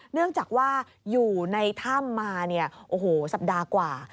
เนื่องจากว่าอยู่ในถ้ำมาเนี่ยโอ้โหสัปดาห์กว่า